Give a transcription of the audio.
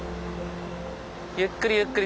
ゆっくりゆっくり。